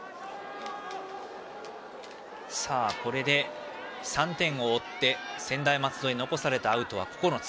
これで３点を追って専大松戸に残されたアウトは９つ。